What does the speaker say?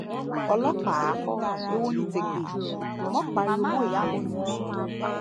Ọlọ́pàá, èwo ni tèpè, mo pariwo mọ́ ìyá mi.